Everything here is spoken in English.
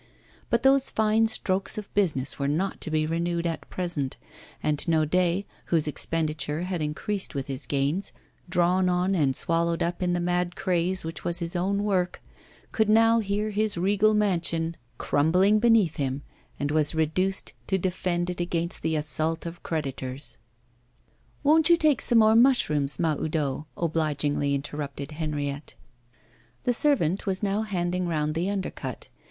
But those fine strokes of business were not to be renewed at present, and Naudet, whose expenditure had increased with his gains, drawn on and swallowed up in the mad craze which was his own work, could now hear his regal mansion crumbling beneath him, and was reduced to defend it against the assault of creditors. 'Won't you take some more mushrooms, Mahoudeau?' obligingly interrupted Henriette. The servant was now handing round the undercut.